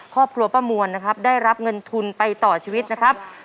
ครอบครัวป้ามวลนะครับได้รับเงินทุนไปต่อชีวิตนะครับ